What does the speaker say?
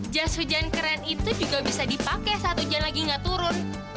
jas hujan keren itu juga bisa dipakai saat hujan lagi nggak turun